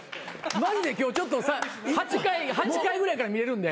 マジで今日ちょっと８回ぐらいから見れるんで。